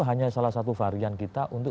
hanya salah satu varian kita untuk